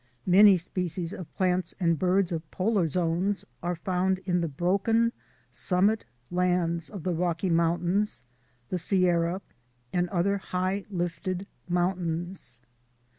Many species of plants and birds of polar zones are found in the broken summit lands of the Rocky Mountains, the Sierra, and other high lifted moun tains.